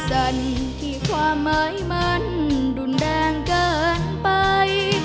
สั้นที่ความหมายมันรุนแรงเกินไป